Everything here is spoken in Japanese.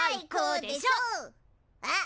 あっ！